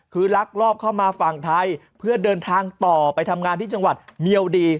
คือลักลอบเข้ามาฝั่งไทยเพื่อเดินทางต่อไปทำงานที่จังหวัดเมียวดี